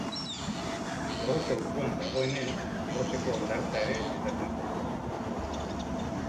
Gros auzoan dagoenez, Groseko hondartza ere esaten zaio.